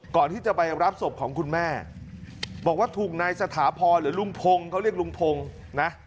ก่อนที่จะไปรับศพของคุณแม่บอกว่าถูกนายสถาพรหรือลุงพงศ์เขาเรียกลุงพงศ์นะ